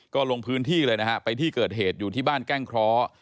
ก็ลงพื้นที่เลยนะฮะไปที่เกิดเหตุอยู่ที่บ้านแก้งเคราะห์